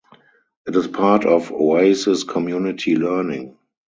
It is part of Oasis Community Learning.